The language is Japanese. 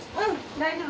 大丈夫。